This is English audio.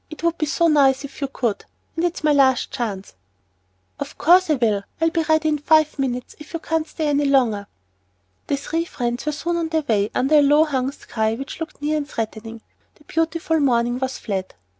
It would be so nice if you could, and it's my last chance." "Of course I will. I'll be ready in five minutes, if you really can't stay any longer." The three friends were soon on their way, under a low hung sky, which looked near and threatening. The beautiful morning was fled.